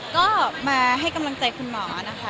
ก็มาให้กำลังใจคุณหมอนะคะ